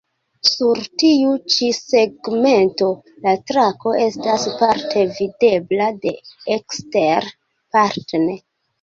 Sur tiu ĉi segmento, la trako estas parte videbla de ekstere, parte ne.